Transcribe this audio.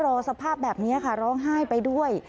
รอสภาพแบบนี้ค่ะร้องไห้ไปด้วย